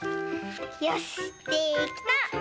よしできた！